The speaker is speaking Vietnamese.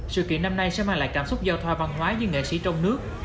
sự kiện năm nay sẽ mang lại cảm xúc giao thoa văn hóa giữa nghệ sĩ trong nước